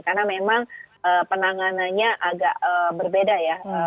karena memang penanganannya agak berbeda ya